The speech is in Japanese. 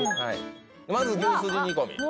まず牛すじ煮込み